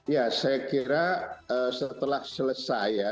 ya saya kira setelah selesai ya